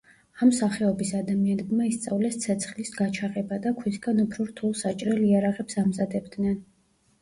ამ სახეობის ადამიანებმა ისწავლეს ცეცხლის გაჩაღება და ქვისგან უფრო რთულ საჭრელ იარაღებს ამზადებდნენ.